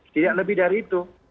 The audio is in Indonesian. tidak lebih dari itu